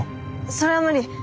それは無理。